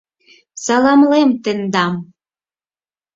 — Саламлем тендам!